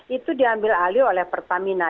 itu diambil alih oleh pertamina